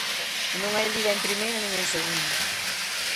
Non hai Liga en primeira nin en segunda.